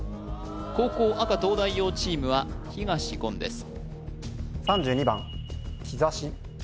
後攻赤東大王チームは東言です